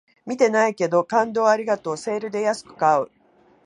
見てないけど、感動をありがとうセールで安く買う